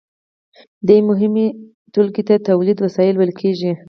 دې مهمې ټولګې ته د تولید وسایل ویل کیږي.